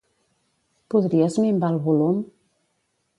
Podries minvar el volum?